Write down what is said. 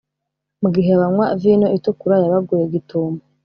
mugihe banywa vino itukura , yabaguye gitumo,